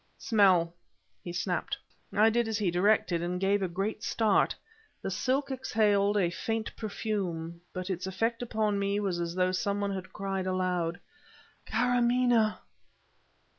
"Smell!" he snapped. I did as he directed and gave a great start. The silk exhaled a faint perfume, but its effect upon me was as though some one had cried aloud: "Karamaneh!"